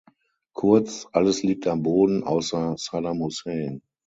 Kurz, alles liegt am Boden, außer Saddam Hussein.